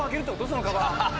そのカバン。